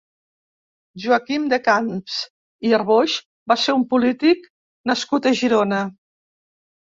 Joaquim de Camps i Arboix va ser un polític nascut a Girona.